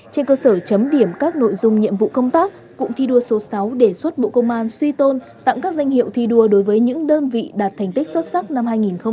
trên cơ sở chấm điểm các nội dung nhiệm vụ công tác cụm thi đua số sáu đề xuất bộ công an suy tôn tặng các danh hiệu thi đua đối với những đơn vị đạt thành tích xuất sắc năm hai nghìn hai mươi ba